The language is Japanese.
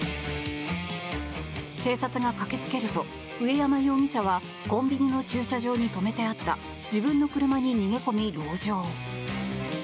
警察が駆けつけると上山容疑者はコンビニの駐車場に止めてあった自分の車に逃げ込み、ろう城。